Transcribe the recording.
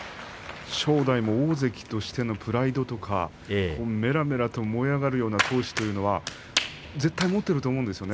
正代の大関としてのプライドとかめらめらと燃え上がるような闘志というのは絶対、持ってると思います。